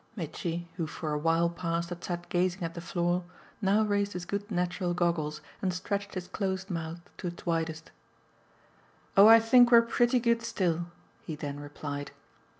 Mitchy, who for a while past had sat gazing at the floor, now raised his good natural goggles and stretched his closed mouth to its widest. "Oh I think we're pretty good still!" he then replied.